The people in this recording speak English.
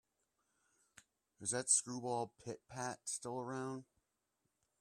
Is that screwball Pit-Pat still around?